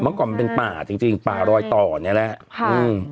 เมื่อก่อนมันเป็นป่าจริงป่ารอยต่อเนี่ยแหละ